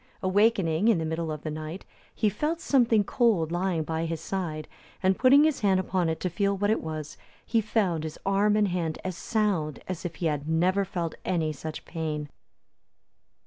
Awaking in the middle of the night, he felt something cold lying by his side, and putting his hand upon it to feel what it was, he found his arm and hand as sound as if he had never felt any such pain.